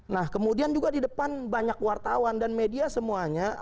nah kemudian juga di depan banyak wartawan dan media semuanya